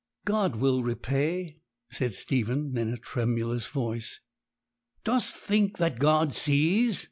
'God will repay,' said Stephen in a tremulous tone. 'Dost think that God sees?'